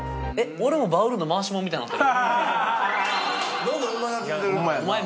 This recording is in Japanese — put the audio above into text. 俺もバウルーの回し者みたいになってる？